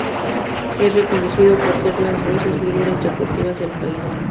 Es reconocido por ser las voces lideres deportivas del país.